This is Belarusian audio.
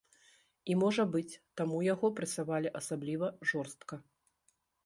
І можа быць, таму яго прэсавалі асабліва жорстка.